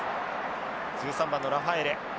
１３番のラファエレ。